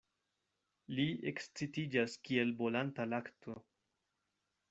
Li ekscitiĝas kiel bolanta lakto.